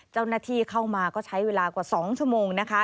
เจ้าหน้าที่เข้ามาก็ใช้เวลากว่า๒ชั่วโมงนะคะ